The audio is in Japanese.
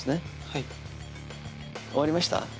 はい終わりました？